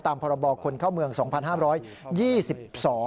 ตามพคข๒๕๒๒นะครับ